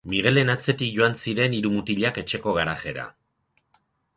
Miguelen atzetik joan ziren hiru mutilak etxeko garajera.